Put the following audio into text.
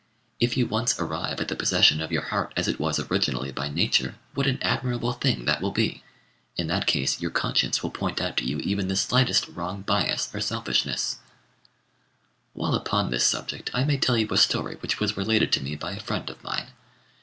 If you once arrive at the possession of your heart as it was originally by nature, what an admirable thing that will be! In that case your conscience will point out to you even the slightest wrong bias or selfishness. [Footnote 99: Two famous Indian and Chinese physicians.] While upon this subject, I may tell you a story which was related to me by a friend of mine.